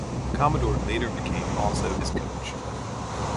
Commodore later became also his coach.